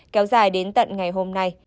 kéo dài đến tận ngày hôm nay